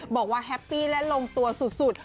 บอกว่าแฮปปี้และลงตัวสุด